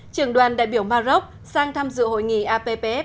trường đoàn đại biểu maroc sang tham dự hội nghị appf hai mươi sáu